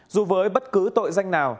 dù với bất cứ tội danh nào